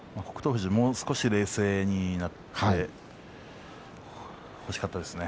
富士はもう少し冷静になってほしかったですね。